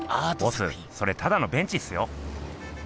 ボスそれただのベンチっすよ。